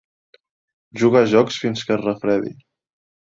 Juga a jocs fins que es refredi.